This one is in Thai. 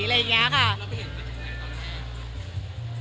เราไปเห็นมาจากไหนตอนด้านนี้